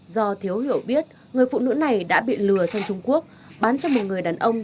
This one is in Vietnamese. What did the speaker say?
do thiếu hiểu biết người phụ nữ này đã bị lừa sang trung quốc bán cho một người đàn ông